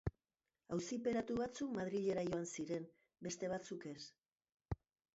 Auziperatu batzuk Madrilera joan ziren, beste batzuk ez.